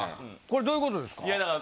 これどういうことですか？